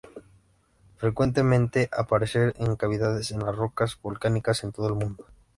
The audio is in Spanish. Frecuentemente aparece en cavidades en las rocas volcánicas en todo el mundo.